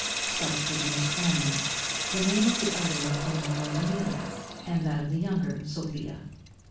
Such were the Miss Cranley's, the name of the elder of whom was Amelia, and that of the younger Sophia.